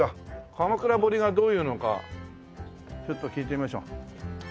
鎌倉彫がどういうのかちょっと聞いてみましょう。